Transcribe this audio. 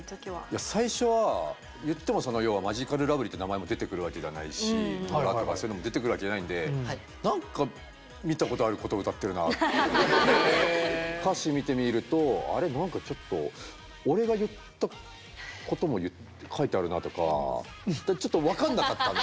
いや最初はいってもその要はマヂカルラブリーって名前も出てくるわけではないし野田とかそういうのも出てくるわけじゃないんで何か歌詞見てみるとあれ何かちょっと俺が言ったことも書いてあるなとかちょっと分かんなかったんだよ